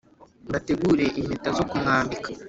bategure impeta zo kumwambika